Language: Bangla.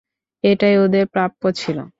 এটাই ওদের প্রাপ্য ছিল।